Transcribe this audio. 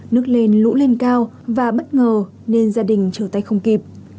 nước lên lũ lên cao và bất ngờ nên gia đình chờ tay không kịp